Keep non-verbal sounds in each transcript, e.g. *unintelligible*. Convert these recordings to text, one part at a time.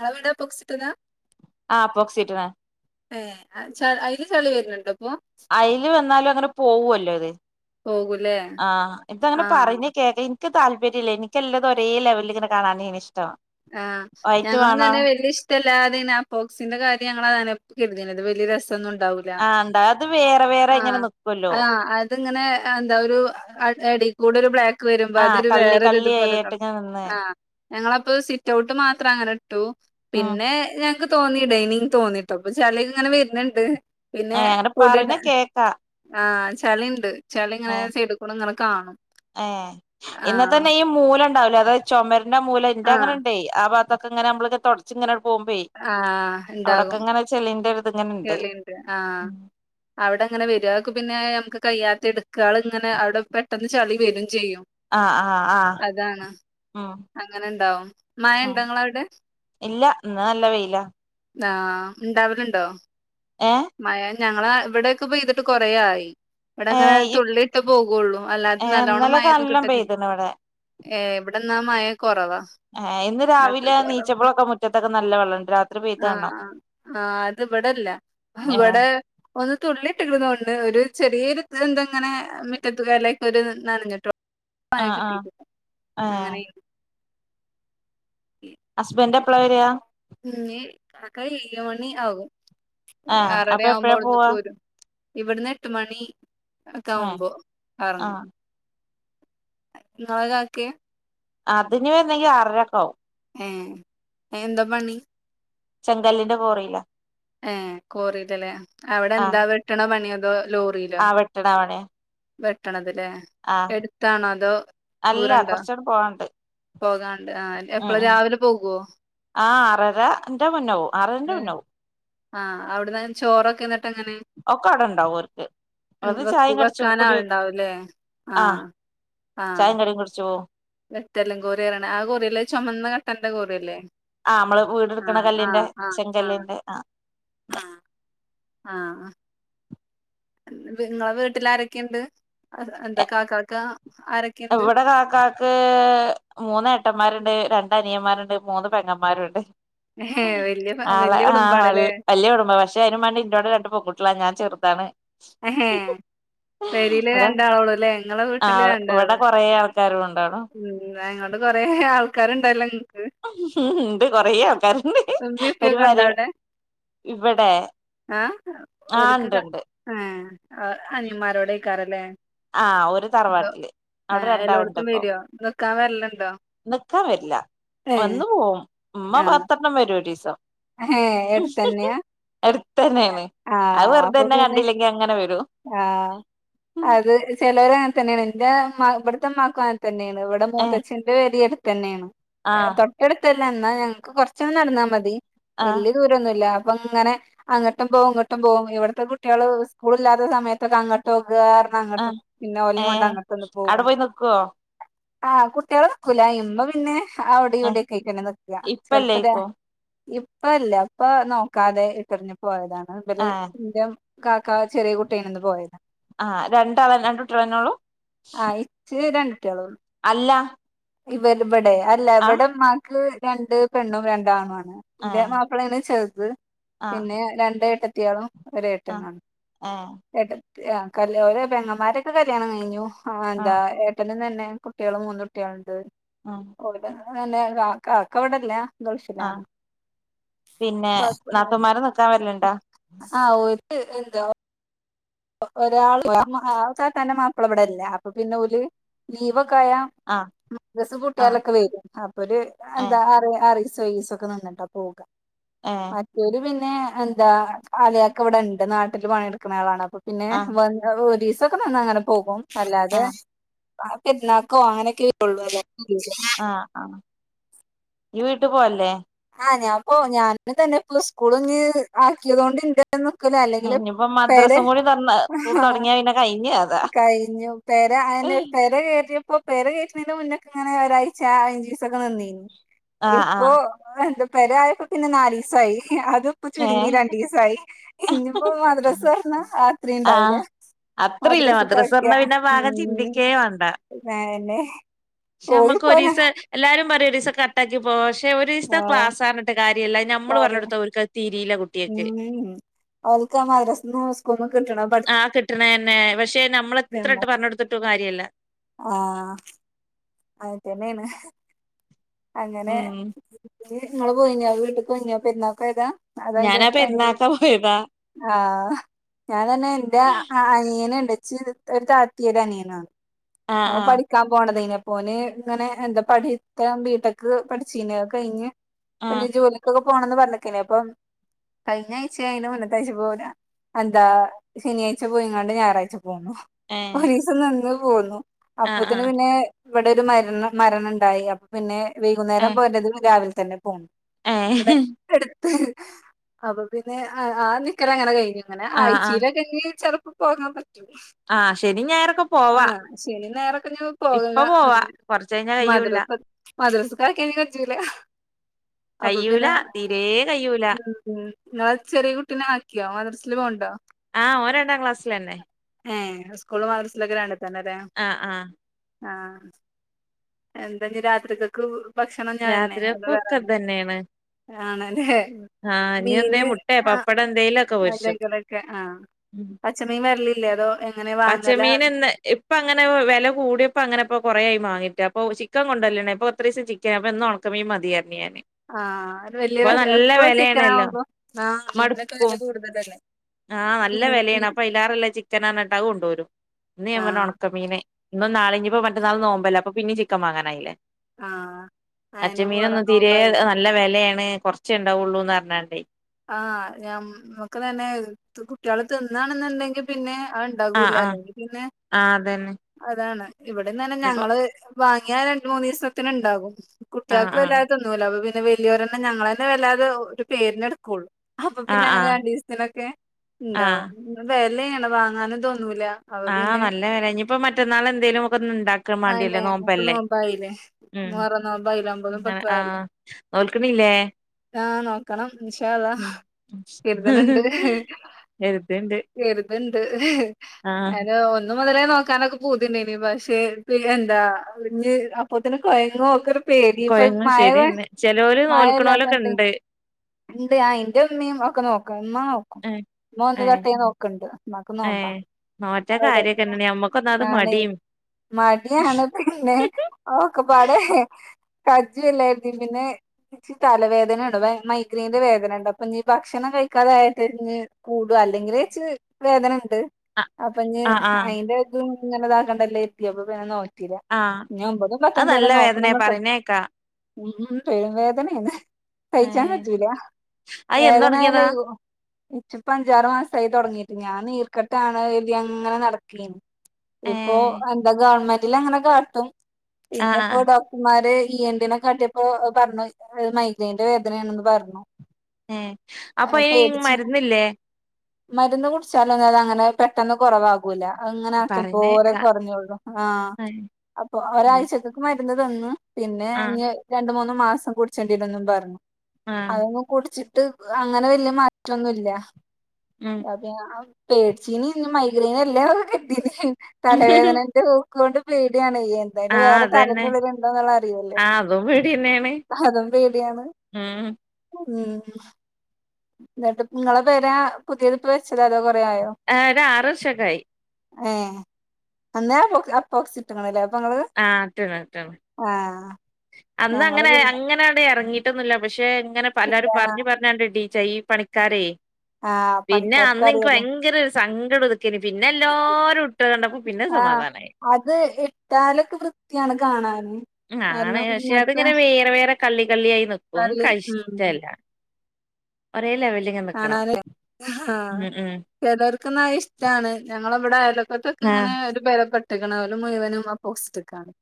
നി വടാ പൊക്സിിട്ടുന്നാ ആഹ് പോക്സിട്ട് ത ഏ അതില് ചളി വരുന്നുണ്ടോ ഇപ്പൊ അതിൽ വന്നാലും അങ്ങനെ പോവല്ലോ പോകൂലേ ആഹ ഇന്തങ്ങനെ ആഹ് പറഞ്ഞേ കേക്ക എനി താല്പര്യമല്ല എനക്ക്ല്ലത ഒരേ ലെവല ഇങ്ങന കാണാൻ ഇനി ഇഷ്ടമാണ് ആഹ ഞങ്ങളും തന്നെ വലിയ ഇഷ്ട ല്ലാ പോസിന്റെ കാര്യം ഞങ്ങള കരുതിത് വല രം ആണ്ടാ അത് വേറെ വേറെ ഇങ്ങനെ നിക്കല്ലോ ഇങ്ങനെഎന്താ ഒരു അടികൂടെ ഒരു ബ്ലാക്ക് വരുമ്പോ ആഹ് അതൊരു കള്ളി വേറൊ കള്ളി ഇതുപോലെ തോ ആയിട്ട് ഇങ്ങനെ നിന്ന് ആ ഞങ്ങളപ്പോ സി സിറ്റൗട്ട് മാത്രം അങ്ങനെ എട്ട് ഉം ട്ടുപിന്നെ ഞങ്ങക്ക് തോന്നി ഡൈനിങ് തോന്നിട്ടോ അപ്പൊ ചില ഇങ്ങനെ വരുന്നുണ്ട് പിന്നെ ഏഹ് അങ്ങനെ കുടിട്ട പറയണ കേക്കാ ആഹ് ചളിണ്ട് ചളിഇങ്ങനെ സെഡു കൂടെ നട ആ ഏ ഇന്നത്തന്നെ ഈ മൂല ഉണ്ടാവുലെഅതത് ചുമര ന്റെമൂല എന്റെറ ആഹ് അങ്ങനെണ്ടേ ആ ഭാഗ ഇതക്കെ ഇങ്ങെ നമ്മെള്തെടച്ച് ഇങ്ങനെ ആഹ് പോവുപോഅവിടക്കെ ഇണ്ടാകും. ഇങ്ങനെ ചെളി ന്റെ ചെളിണ്ട് ആ അവിടെ അങ്ങനെ വരു അത് ഓക്കെപിന്നെ നമുക്ക് കയ്യ എടുക്കുകൾ ഇങ്ങനെ അവിടെ പെട്ടെന്ന് ചളി വരും ചെയ്യും ആഹ് ആഹ് ആഹ അതാണ് ഉ അങ്ങനെണ്ടാവും. ഉ മഴണ്ടോ ഇങ്ങളവടെ? ഇല്ല ഇ നല്ല വെയില ആ ഉണ്ടാവലണ്ടോ ഏഹ് മഴ ഞങ്ങള ഇവിടെയൊക്കെ പോ ഇതിട്ട് കൊറോയി ഇവിടെ അങ്ങനെ ഏഹ് ഇ തുള്ളിയിട്ട് പോകുള്ളൂ അല്ലാതെ ഏഹ് ഇന്നലൊക്കെ നല്ലവോണംമായൊന്നും നല്ലോം കിട്ടലില്ല പെയ്ത്ണ് ഇവടെ. ഏ ഇവിടെ നമഴയകൊ ഇന്ന് രാവിലെ നീച്ചപ്പളൊക്കെ മുറ്റത്തൊക്കെ നല്ല വെള്ളം ഉണ്ട് രാത്രി പോയ്ത് അണ് ഇവിടെല്ല ഇവിടെ ഒന്ന് തുള്ളിട്ടിടുന്നൊണ്ട് ഒരു ചെറിയൊരു എന്ത ഇങ്ങനെ മറ്റത്തു ഇലക്കെഒരു നനഞ്ഞിട്ടോ പായ ആഹ് ആഹ് കിട്ടീട്ട ഏഹ് അങ്ങനെയ ഹസ്ബൻറ് എപള വരാ ഇഞ് എഴ്മണിആകു ഏഹ് ആറര അപ്പൊ ആവുമ്പോ എപ്പഴാ അവിടുന്ന് പോവാ? പോരും ഇവിടുന്ന് എട്ട് മണി ഏഹ് ക്കാവുമ്പോ ഇറങ്ങും ആഹ് ഇങ്ങളെ കാക്കെ അത് ഞ്ഞി വരണെങ്കി അറരൊക്കാവും ഏ എന്താ പണി ചെങ്കല്ലിന്റെ കോറീലാ ഏ കോറില്ല്ലേ അവിടെ എന്താ വെട്ട്ണാ പണി അതോ ആ വെട്ട്ണാ ആ പണിആ ട്ട്ണത് ഏ എട്ത്താണോ അതോ അല്ല ദൂരണ്ടോ കൊറച്ചാണ്ട് പോവാണ്ട്. പോകാണ്ട് ആ ഉം എപ്പളാ ഉം രാവിലെ പോകൊ ആഹ് ആറരന്റെ മുന്നാവും ആറരന്റെ മുന്നാവും ആഹ് അവ്ട്ന്ന് ചോറൊ ഒക്കടണ്ടാവും ഓര്ക്ക് അത് വെക്കു ചായെം കടിച്ചു വെക്കാൻ കടി ആളുണ്ടാവുംല്ലേ ആ ആഹ് ചായിം കടിം കുടിച്ചോവും വെട്ടല്ലും കോറിഅറിണെ ആ കോറിഅല്ലേ ചുമന്ന കട്ടന്റെ കോറിഅല്ലേ ആഹ് നമ്മള് വീട്ടുക്ക്ണ കല്ലിന്റെ ചെങ്കല്ലിൻ്റെ ആ ആ ആ ഇങ്ങളെ വീട്ടിലാരെക്കെണ്ട് അ എന്താ കാ കാക്ക ഇവിടെ കാക്കാക്ക് മൂന്നേട്ടന്മാര്ണ്ട് രണ്ടനിയന്മാര്ണ്ട് മൂന്ന് പെങ്ങന്മാരുണ്ട് ഏഹ് വല്യ ആളെ വല്യ ആ വ കുടുംബാണല്ലേ വല്യാ കുടുമ്പ പക്ഷെ ഐനുമാണ്ടി ഇൻ്റോടെ രണ്ട് പൊങ്കുട്യളാ ഞാൻ ചെറ് താണ് എഹേ പെരീല് ഇവിടെ രണ്ടാളൊള്ളൂല്ലേ ഇങ്ങളെ ആ വീട്ടില് രണ്ട് ഇവിടെ കൊറെേ ആൾക്കാര് ഉണ്ടാണ് കരണ്ടെല്ലം ഇണ്ട് കൊറേ ആൾക്കാര് ഉമ്മിപ്പയൊക്കെണ്ടവ്ടെ ഇവിടെ ആ ആ ഓല്ക്ക് ക ഉണ്ട്ണ്ട് ഏഹ് ആഹ് അനിയന്മാരോടെക്കാരം ല്ലേ ആഹ് ഓര് തറവാട്ടിലെ അവിടെ ഏഹ് എല്ലോടത്തും രണ്ടാൾണ്ടിപ്പൊ വരുവോ നിക്കാൻ വരലുണ്ടോ നിക്കാൻ വരില്ല ഏഹ് വന്നു പോവും ഉമ്മ പത്തപ്പം വരും ഒരിസം ഹെ എടെത്തന്നെയാ അടുത്തന്നെയാണ് ആ അത് വെറുതെ അപ്പൊ എന്നെ പിന്നെ കണ്ടില്ലെങ്കി അങ്ങനെ വരും ആ ഏ അത് ചെലരങ്ങൻ തന്നേണ് ൻ്റെ ഇമ്മാ ഇവടെത്തമ്മാക്കും അങ്ങതന്നെണ് ഇവടെ മൂത്തച്ചന്റെ പെരിം അട് തന്നെയാണ് ആഹ് തൊട്ടടുത്ത അല്ല എന്നാ ഞങ്ങക്ക് കുറച്ചൂന്ന് നടന്നാൽ മതി ആഹ് വലിയ ദൂരമൊന്നുല്ല അപ്പ ഇങ്ങനെ അങ്ങോട്ടും പോകും ഇങ്ങോട്ടും പോകും ഇവിടത്തെ കുട്ടികൾ സ്കൂളില്ലാത്ത സമയതേക്ക അങ്ങട്ടും അത് കാരണം അങ്ങോട്ട് ആഹ് പിന്നെ ഏ ഒല്ലം കൊണ്ട് അങ്ങോട്ടൊ ഒന്ന് അവിടെ പോകും പോയി നിക്കുവോ ആഹ് കുട്ടികളെ നിക്കൂലാ ഇന്നു പിന്നെ അവിടെ ഏ ഇവിടെ കഴിക്കണ നിക്ക ചെലപ്പ ഇപ്പല്ലേക്കോ ഇപ്പല്ലേ അപ്പ നോക്കാതെ ഈ പറഞ്ഞ് പോയതാണ് ഏ *unintelligible* കാക്ക ചെറിയ കുട്ടിയിനന്ന് പോയത് ആഹ് രണ്ടാള രണ്ട് കുട്ടികളന്നേയുള്ളൂ കുട്ടിയള അല്ല ഇവരും ഇവിടെ അല്ല ആഹ് ഇവിടെ ഉമ്മാക്ക് രണ്ട് പെണ്ണും രണ്ട് ആണും ആണ് ഏ എൻ്റെ മാപ്പിളയാണ് ചെറുത് ആഹ് പിന്നെ രണ്ടേട്ടത്തി കുട്ടികളും ഒരു ഏട്ടനും ആഹ് ആണ് ഏ എട്ട ആഹ് കല് ഓരോ പെങ്ങാമാരൊക്കെ കല്യാണം കഴിഞ്ഞു ആ ന്താ ആഹ് ഏട്ടനും തന്നെ കുട്ടിളും മൂന്ന് കുട്ടിൾ ആഹ് ണ്ട് *unintelligible* അല്ലെ കാക്ക ഇവിടല്ല ആ പിന്നെ കൊഴപ്പൊന്നുല്ല നാത്തൂമാര് നിക്കാ വേരല്ണ്ടോ എന്താ ഒരാൾ സാ തന്റെ മാപ്പിള ഇവിടെല്ല അപ്പൊ പിന്നെ ഒരു ലീവൊ ആഹ് *unintelligible* ദ്രസ് ആഹ് പൂട്ടിയാലൊക്കെ വെരും അപ്പോര് ഏ ന്താ ആറിസം ഒരി സൊക്കെ നിന്നിട്ടാ പോക ഏ മറ്റൊല് പിന്ന പിന്നെ എന്ത അളിയാക്ക ഇവിടെണ്ട് നാട്ടിൽ പണിയെടുക്കുന്ന ആളാണ് അപ്പോ പിന്നെ ആഹ് വ ൊക്കെന്ന അങ്ങനെ പോകും അല്ലാതെ ആഹ് പേർന്നക്കോ അങ്ങനൊക്കെ ഉള്ളൂ അല്ലോ ആഹആ *unintelligible* ഇട്ട് പോല്ലേ ആഹ് ഞാൻപ്പോ ഞാന് തന്നെ ഇപ്പൊ സ്കൂള ഒ ആക്കിയതൊണ്ട്ിണ്ട് ന അല്ലെങ്കിൽ ഇനിയിപ്പോ പേ മദ്രസും കൂടി തൊറന്ന് തൊടങ്ങിയാ പിന്നെ കഴിഞ്ഞ് കഥ കഴിഞ്ഞു പ അ പര കറിയപ്പോ പേര കേയട്ട്ണിന്റെ ന്റെ മുന്നേക്കെ ഇങ്ങനെ ഒരാഴ്ച അഞ്ചു സൊക്കെ നന്നീു ആഹ് ഇപ്പോൊ ആഹ് എ പരയപ്പോ പിന്നെ നാലീസ ആ അത് ഇപ്പോ ഏ ചുരുങ്ങി രണ്ടസായി ഇനിപ്പോ മദ്രാസ ഒർന്ന ആ ആഹ് ത്രിണ്ടാവൂല അത്രയില്ല മദ്രാസക്കെ മദ്രസ ആക്കിയ പറഞ്ഞ പിന്നെ ഉ ഭാഗം ചിന്തിക്കേ വേണ്ട പിന്നന്നെ പക്ഷെ പോയി നമ്മുക്ക് പോയ ഒരീസം എല്ലാരും പറയും ഒരീസം കട്ടാക്കി പോവാ പക്ഷെ ഒരു ദസത്തെ ക്ലാസ് ആിട്ട് കാര്ം ല്ല ഞമ്മള് കാര്യം പറഞ്ഞടുത്ത തീറീല ഉം അവക്ക് ആ മറസ് സ്കൂന്ന് കിട്ടണം പഠ ആ ട്ടോ കാര്യല്ല ആ ആയിത്തേനെആണ് അങ്ങനെ ഉം അ ങ്ങള് പോയിഞ്ഞോ വീട്ടിക്ക് പോയിഞ്ഞ പരുന്നാൾക്കഓയതാ അതതിന്റെ ഞാനാ കഴ പെരുന്നാക്കാ പോയതാ ആഹ് ഞൻ തന്നെ എറെ അനിയന ണ്ട് ഒരു താത്തിീരനിയന ആഹ് ഓ ആഹ് പഠിക്കാൻ പോണത് ഇെപ്പ പോഓന് ഇങ്ങനെ എന്താ പഠത്താൻ വീ ഒട്ടക്ക് പഠിച്ചീന കഴിഞ്ഞ് പിേ ആഹ് ജോലിക്ക പോണംന്ന് പറഞ്ഞക്കേ അപ്പം കഴിഞ്ഞ ആഴ്ചയന് മുന്നത്താഴ്ച പോല എന്താ ശനിയാഴ്ച പോയി ഇങ്ങാണ്ട് ഞായറാഴ്ച പോ ഏഹ് പൈീസ എന്ത ബല ആഹ് അപ്പൊത്തിന് ആഹ് പിന്നെ ഇവിടെ ഒരു മര മരണം ഉണ്ടായി അപ്പൊ പിന്നെ വൈകുന്നേരം ഏഹ് പോയിേറത് രാവിലെ തന്നെ പോണം ഇവിടെ ഏഹ് എടുത്ത് അപ്പൊ പിന്നെ ആ നിക്കറ് അങ്ങനെ കഴിഞ്ഞു അങ്ങനെ ആഹ് ആഹ് ആയച്ചീല *unintelligible* പോകാം ആഹ് ശനിം ഞായറൊക്കെ പോവാ ആഹ് ശരി നേരക്കഞ്ഞി ഇപ്പ പോകുക പോവാ അങ്ങനെ കൊറച്ച് കഴിഞ്ഞാ കയ്യൂല്ല മദ്രസ മദ്രസക്കാക്കെ കൊഞ്ചുല്ല അപ്പൊ കയ്യൂല പിന്നെ തീരേ കയ്യൂല മ് മ് ങ്ങളെ ചെറിയ കുട്ടിനെ ആക്കിയോ മദ്രസ ക്ലാസ്സിൽ പോണ്ടോ ആഹ് ഓൻ രണ്ടാം ക്ലാസിലന്നെ ഏഹ് സ്കൂള് മദ്രസിലൊക്കെ രണ്ട് തന്നെല്ലേ ആഹ് ആഹ് ആഹ് എന്തെഞ്ഞി രാത്രിക്കൊക്കെ ക്ക് രാത്രിയ്ക്കൊക്കെ ഇതന്നെയാണ് ആണല്ലേ ആഞ്ഞി എന്തേം മീന് മുട്ടെ ആഹ് പപ്പടം എന്തെലൊക്കെ പൊരിച്ചു അതെങ്കിലൊക്കെ ആഹ് പച്ചമീൻ വരലില്ലേ അതോ എങ്ങനെ വാങ്ങലാ പച്ചമീൻ എന്ന ഇപ്പ അങ്ങനെ വില കൂടിയപ്പോ അങ്ങനെപ്പ കൊറയായി വാ അപ്പോ ചിക്കൻ കൊണ്ടുവരലാണ് അപ്പോത്രദിസം ക്കെ ഇന്ന് ഉണക്കമീൻ മതിയായിരുന്നു ആഹ് അത് വല്യ അപ്പൊ നല്ല എപ്പളും വിലയാണല്ലോ ചിക്കനാവുമ്പോ ആഹ് മീനിനൊക്കെ വെല മടുപ്പും കൂടുതലല്ലേ ആഹ് നല്ല മീൻ വിലയാണ് മീൻ അപ്പ എല്ലാരെല്ലാം ചിക്കനാനിണ്ടാവാ അത് കൊണ്ടുവരും ഇന്ന് ഞാൻ പറഞ്ഞ് ആഹ് ഉണക്കമീനായി ഇന്നും നാളെയും ഇനിയിപ്പോ മറ്റന്നാള് നോമ്പല്ലേ അപ്പ പിന്നെ ചി ക്കം വാങ്ങാനായില്ലേ ആഹ് അയന്നെ മുഹറം അച്ചമീനൊന്നും തീരെ നോമ്പായില്ലേ നല്ല വിലയാണ് കൊറച്ചുണ്ടാവുള്ളൂന്ന് പറഞ്ഞാണ്ടേ ആഹ് ഞാൻ നമക്ക് തന്നെ കുട്ടികൾ തിന്നാണെന്നുണ്ടെങ്കിൽ പിന്നെ ആഹ് ആഹ് ആണ്ടാകൂല്ലാലോ പിന്നെ ആഹ് അതന്നെ അതാണ് ഇവിടെന്ന് തന്നെ ഇനിപ്പോ ഞങ്ങള് വാങ്ങിയാ രണ്ട് മൂന്നീസത്തിന് ഇണ്ടാകും ആഹ് കുട്ടികൾക്ക് ആഹ് വല്ലാതെ തിന്നൂല *unintelligible* വലിയോരെന്നെ ഞങ്ങളെന്നെ വല്ലാതെ ഒരു പേരിനെടുത്ത് ക്കോളും അപ്പൊ പിന്നെ ആഹ് ആഹ് അങ്ങനെ രണ്ടീസത്തിനൊക്കെ ഉണ്ടാവും ആഹ് വെലയാ ണം വാങ്ങാനും തോ ആഹ് നല്ല വില ഇനിയിപ്പോ മറ്റന്നാൾ എന്തേലും ഒക്കെ ഇണ്ടാക്കാൻ അതെന്നെ വേണ്ടിയല്ലോ ഞങ്ങക്ക് നോമ്പല്ലേ നോമ്പായില്ലേ ഉം മുഹറം നോമ്പായില്ലേ ഒമ്പതും ആഹ് പത്തും ആയല്ലോ ആഹ് നോൽക്ക്ണില്ലേ? ആഹ് നോക്കണം ഇൻഷാ അള്ളാ കരുതണുണ്ട് കര്ത്ണ്ട് വെന്ത് അതെ ഒന്നും മുതലേ നോക്കാനൊക്കെ പൂതിണ്ടായിന് പക്ഷേ എന്താ ഇഞ്ഞ് അപ്പത്തിന് കൊഴങ്ങോ ഒക്കൊരു- പേടി ഇപ്പ കൊയങ്ങും മഴ ശരിന്നെ. ചെലോരല് നോൽക്കണോലൊക്കെ മഴല്ലാത്തോണ്ട് ഉണ്ട് ഇണ്ട് ആ എന്റെ ഉമ്മയും ഒക്കെ നോക്കും. ഉമ്മ നോക്കും ഏഹ് ഉമ്മ ഒന്ന് ഏഹ് തൊട്ടേ നോക്കണ്ട്. ഉമ്മാക്ക് നോമ്പാ ഏഹ് നോറ്റാ അവിടെ കാര്യൊക്കെന്നെണ് ഞമ്മക്കൊന്നാമത് നണ മടിം മടിയാണ് പിന്നെ ഒക്കപാടെ കജ്ജും എല്ലായിത്തും പിന്നെച്ച തലവേദന ഉണ്ട മൈ ഗ്രൈന്റെ വേദന ഉണ്ട്. അപ്പൊ നീ ഭക്ഷണം കഴിക്കാതായിട്ട് ഇഞ്ഞ് കൂടുക അല്ലെങ്കില് ച്ച് വേദന ഇ ണ്ട് അ അപ്പഞ്ഞ് ആഹ് ആഹ് അയിന്റെതും ഇങ്ങനെതാക്കണ്ടല്ലോ കരുതി അപ്പ പിന്നെ നോ ആ അത് നല്ല വേദനയാ നോക്കണംന്നൊക്കെ ഇണ്ട്. പറയുന്നകേക്കാ ഉം പെരും വേദനയാണ്. ഏ ഇല്ല, വേദന ആയാലൈ ഇഞ്ചിപ്പം അഞ്ചാറു മാസായി തുട ട്ട് ഞാൻ നീർക്കെട്ടാണ് കരുതി അങ്ങനെ നടക്കേനി ഇപ്പൊ ഏഹ് എന്താ ഗവൺമെന് ന്റിലങ്ങനെ കാട്ടും പിന്നെപ്പോ ആഹ് ഡോക്ടർമാര് ഇ എൻ ഡി കാട്ടിയപ്പോ പറഞ്ഞു മൈഗ്രൈന്റെ വേദനയാണെന്ന് പറ *unintelligible* ഏ അപ്പൊ ഈ പേടിച്ച് മരുന്നില്ലേ മരുന്ന് കുടിച്ചാൽ ഒന്നും അത് അങ്ങനെ പെട്ടെന്ന് കുറവാകൂല. അങ്ങനെ ആക്കുമ്പോലെ പറയണേക്കാ കുറഞ്ഞോള്ളൂ ആ ആഹ് അപ്പൊ ഒരാഴ്ചത്തേക്കു മരു ന്ന് തന്ന് പിന്നെ ആഹ് അഞ്ഞ് രണ്ട്മൂന്ന് ന്ന് മാസം കുടിച്ചണ്ടേരിന്നും പറഞ്ഞു. ആഹ് അതൊന്നും കുടിിച്ച ് അങ്ങനെ വലിയ മാറ്റമൊന്നുംല്ല ഉം അത പേടച്ചീന് മൈഗ്രൈന എല്ലാംക്ക കെട്ടീ തലവേദന ണ്ട് പേടിയാണ് എന്തായാലും ആഹ് വേറെ തലം അതന്നെ തൊുള്ളില ഉണ്ടോ എന്നുള്ള അറിയല്ലേ ആഹ് അതും പേടിയന്നേണ് അതും പേടിയാണ് ഉം ഉ എന്നിട്ട് നിങ്ങളെ പേര് പുതിയത്പ്പ വെ ആ ഒരു ആറു വർഷൊക്കായി ഏ അന്ന അക് അപ്പോക്സി ഇട്ടങ്ങല്ലേ ആഹ തന്ന തന്ന അന്ന് ഞങ്ങള് അങ്ങനെ പിന്നെ അങ്ങനക്ട് എറങ്ങിട്ടൊന്നുല്ല പക്ഷെ ങ്ങനെ പലരും പിന്നെ പറഞ്ഞു പറഞ്ഞട്ഡീ ച്ച ഈ പണിക്കാരേ ആഹ് പിന്നെ പണിക്കാർക്ക് അന്ന് ഇന്ക്ക് അറിയല്ലോ ഭയങ്കര സങ്കടം ഇതുക്കാന് പിന്നെ എല്ലാരും ഇട്ട് കണ്ടപ്പോ പിന്നെ ആഹ് സമാധാനായി അത് ഇട്ടാലൊക്കെ വൃത്തിയാണ് കാണാന് ആണ് കാരണം പക്ഷെ ഇങ്ങനത്തെ അതിങ്ങനെ വേറെ വേറെ കള്ളി കള്ളിയായി നിക്കും ക്ക് തള്ളി അത് ഉം ഇഷ്ടല്ല ഒരേ ലെവ ആണ്ലെ ഹാ ഉം ചിലോർക്കൊന്നത് ഇഷ്ടാണ് ഞ മ്മള ബ്ടെ അയ്ലൊ ക്കൊത്തൊക്ക ഇങ്ങനെ ആഹ് ഒരു ബേധപ്പെ ട്ട്ണോലു മുയുവനും ആ പോസ്റ്റ്ക്കാണ്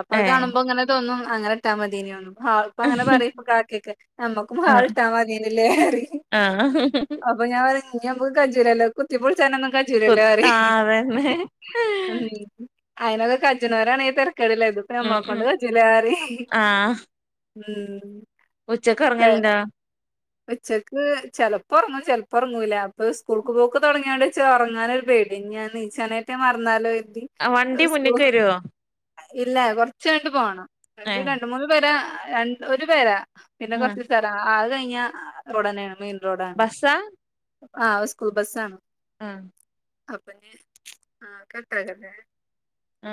അപ്പ അത് ഏഹ് കാണുമ്പോ ഇങ്ങനെ തോന്നും അങ്ങനെട്ടാ മതീനെന്നും ഹാൾ ഇപ്പ അങ്ങനെ പറയുപ്പ കാക്കെക്കെ നമ്മക്കും ആഹ് ഹാൾ ഇട്ടാ മതിനില്ലേ റയും ആഹ് റയും ഞ്ഞി നമ്മുക്ക് ആ ചുരെല്ലാം കുത്തി പൊ പ്പൊ ആ അതെന്നെ അയിനൊക്ക കജ്ജനോരാണേയ് തെര കേടിലായിരുന്നു ഇതുപ്പ ഉം ഉം ഞമ്മളെകൊണ്ട് കജൂലാറയും ആഹ് ഉം ഉച്ചക്ക് പെ ഒറങ്ങല്ണ്ടാ ഉച്ചക്ക് ചെലപ്പോ ഒറങ്ങും ചെലപ്പോ ഒറങ്ങൂല പ്പൊ സ്കൂൾക്ക് പോക്ക് തുടങ്ങിയോണ്ട് ച്ച് ഉറങ്ങാനൊരു പേടി ഞാൻ നീച്ചാനായിട്ട് മറന്നാലോ കരുതി ആ വണ്ടി സ്കൂ മുന്നിക്ക് വരോ ഇല്ല കുറച്ചങ്ങട്ട് പോണം ഒരു ഏഹ് രണ്ട് മൂന്ന് പേരെ രണ് ഒരു പേരാ പിന്നെ ആഹ് കുറച്ച് തരാ ആ കയ് ആ ഒടനെ മെയിൻ ബസ്സാ? ആ ഉസ്കൂൾ ബസ്സാണ് ആ അപ്പന് ആകെ തെഹനെ മ്